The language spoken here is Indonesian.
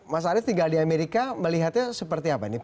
mas arief tinggal di amerika melihatnya seperti apa nih